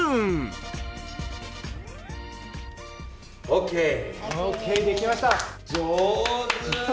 ＯＫ！ＯＫ．できました。